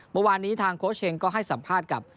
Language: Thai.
เมื่อวานนี้ทางโค้ชเชงก็ให้สัมภาษณ์กับ